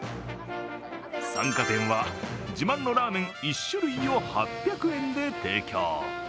参加店は、自慢のラーメン１種類を８００円で提供。